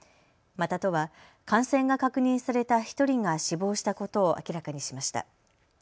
また、都は感染が確認された１人が死亡したことを明らかにしました。